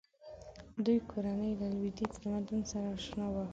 دوی کورنۍ له لویدیځ تمدن سره اشنا وه.